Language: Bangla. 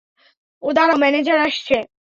দাঁড়াও, ম্যানেজার আসছে।